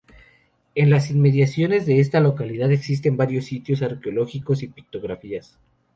En las inmediaciones de esta localidad existen varios sitios arqueológicos y pictografías.